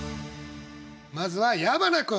まずは矢花君。